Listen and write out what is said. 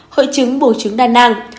hội trứng bùng trứng đa nang